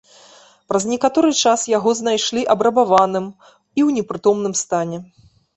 Праз некаторы час яго знайшлі абрабаваным і ў непрытомным стане.